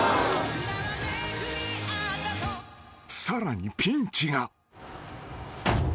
［さらにピンチが］